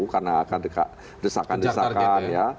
karena akan desakan desakan ya